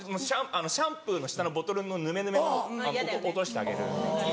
シャンプーの下のボトルのヌメヌメも落としてあげる。